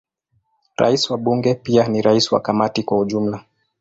Rais wa Bunge pia ni rais wa Kamati kwa ujumla.